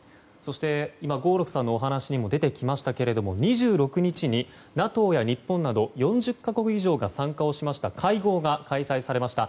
合六さんのお話にも出てきましたけど２６日にＮＡＴＯや日本など４０か国以上が参加をしました会合が開催されました。